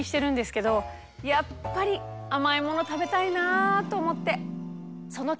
やっぱり甘いもの食べたいなと思って。